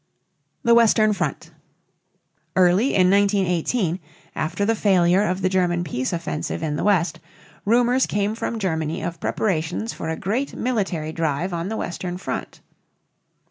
THE WESTERN FRONT. Early in 1918, after the failure of the German peace offensive in the west, rumors came from Germany of preparations for a great military drive on the western front.